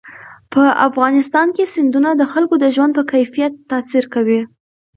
په افغانستان کې سیندونه د خلکو د ژوند په کیفیت تاثیر کوي.